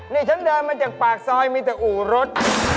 นี่ฉันเดินมาจากปากซอยมีแต่อู่รถ